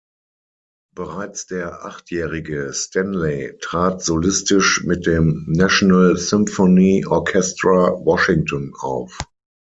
Bereits der achtjährige Stanley trat solistisch mit dem National Symphony Orchestra Washington auf.